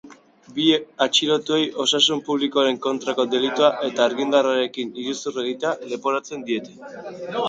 Bi atxilotuei osasun publikoaren kontrako delitua eta argindarrarekin iruzur egitea leporatzen diete.